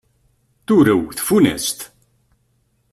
Turew tfunast.